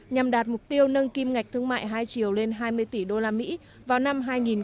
nhằm đạt mục tiêu nâng kim ngạch thương mại hai triệu lên hai mươi tỷ usd vào năm hai nghìn hai mươi